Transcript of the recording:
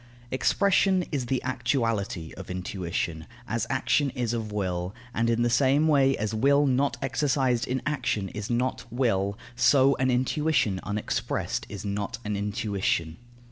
Expression is the actuality of intuition, as action is of will; and in the same way as will not exercised in action is not will, so an intuition unexpressed is not an intuition.